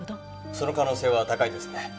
その可能性は高いですね。